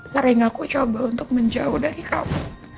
sering aku coba untuk menjauh dari kamu